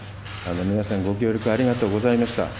皆さん、ご協力ありがとうございました。